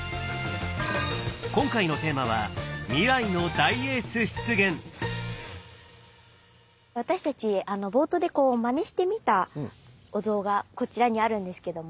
今回の私たち冒頭でまねしてみたお像がこちらにあるんですけども。